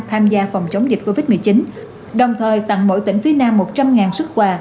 tham gia phòng chống dịch covid một mươi chín đồng thời tặng mỗi tỉnh phía nam một trăm linh xuất quà